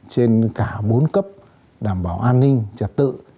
trên cả bốn cấp đảm bảo an ninh trật tự